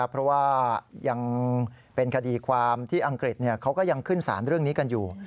เพราะว่ายังเป็นคดีความที่อังกฤษเขาก็ยังขึ้นสารเรื่องนี้กันอยู่